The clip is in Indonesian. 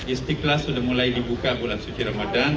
istiqlal sudah mulai dibuka bulan suci ramadan